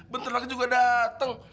benternak juga dateng